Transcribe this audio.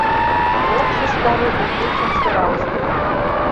Ок шижтаре у кечын сӧралжым.